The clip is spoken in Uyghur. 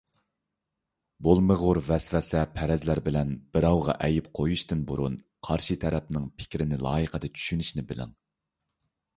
بولمىغۇر ۋەسۋەسە، پەرەزلەر بىلەن بىراۋغا ئەيىب قويۇشتىن بۇرۇن قارشى تەرەپنىڭ پىكرىنى لايىقىدا چۈشىنىشنى بىلىڭ.